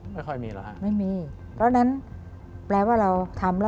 ไม่ค่อยมีแล้วฮะไม่มีเพราะฉะนั้นแปลว่าเราทำแล้ว